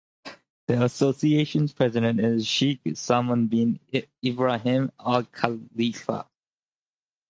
The Association's President is Sheikh Salman Bin Ibrahim Al-Khalifa.